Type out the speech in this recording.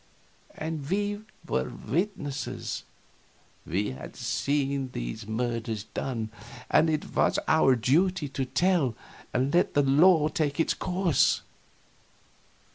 And we were witnesses; we had seen these murders done and it was our duty to tell, and let the law take its course.